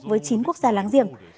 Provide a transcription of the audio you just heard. với chín quốc gia láng giềng